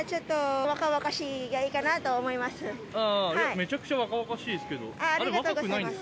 めちゃくちゃ若々しいですけど。